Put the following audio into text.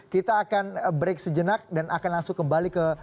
kita akan break sejenak dan akan langsung kembali ke